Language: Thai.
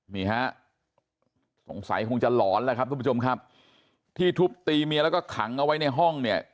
นี่ฮะสงสัยคงจะหลอนแล้วครับทุกผู้ชมครับที่ทุบตีเมียแล้วก็ขังเอาไว้ในห้องเนี่ย